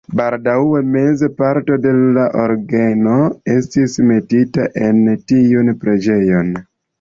Baldaŭe meza parto de la orgeno estis metita en tiun preĝejon.